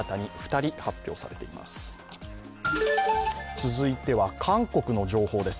続いては韓国の情報です。